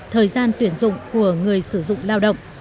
thời gian tuyển dụng của người sử dụng lao động